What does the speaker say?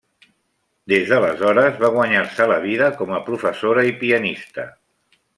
Des d'aleshores va guanyar-se la vida com a professora i pianista.